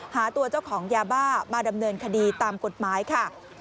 หาตัวเจ้าของยาบ้ามาดำเนินคดีตามกฎหมายค่ะ